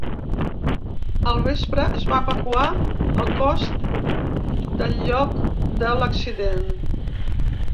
Al vespre es va evacuar el cos del lloc de l’accident.